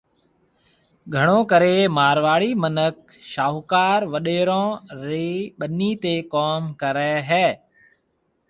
گھڻو ڪرَي مارواڙي مِنک شاھوڪار وڏيرون رِي ٻنِي تي ڪوم ڪرَي ھيَََ